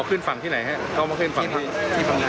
อ๋อขึ้นฝั่งที่ไหนครับเข้ามาขึ้นฝั่งที่